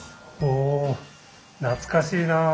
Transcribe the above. お懐かしいなあ。